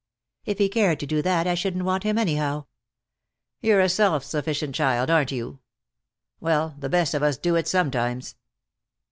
"If he cared to do that I shouldn't want him anyhow." "You're a self sufficient child, aren't you? Well, the best of us do it, sometimes."